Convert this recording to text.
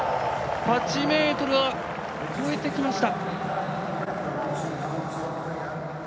８ｍは越えてきました。